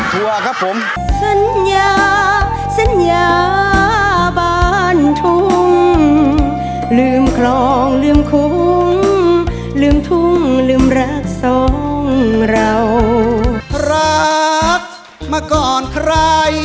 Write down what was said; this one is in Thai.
ตกลงขายถั่วหรือขายมันคะ